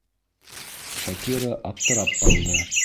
Шакира аптырап ҡалды: